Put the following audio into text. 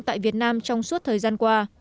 tại việt nam trong suốt thời gian qua